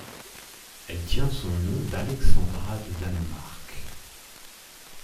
Elle tient son nom d'Alexandra de Danemark.